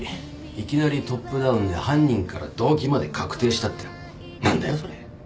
いきなりトップダウンで犯人から動機まで確定したって何だよそれ。